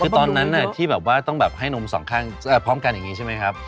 คือตอนนั้นที่แบบว่าต้องแบบให้นมสองข้างพร้อมกันอย่างนี้ใช่ไหมครับ